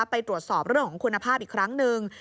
ไปตรวจสอบเรื่องของคุณภาพอีกครั้งหนึ่ง